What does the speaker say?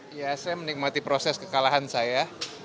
ya saya menikmati proses kekalahan saya